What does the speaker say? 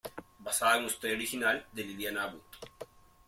Basada en una historia original de Liliana Abud.